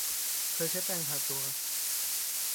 เธอใช้แป้งทาตัว